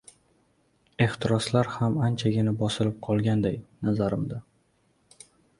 ehtiroslar ham anchagina bosilib qolganday, nazarimda.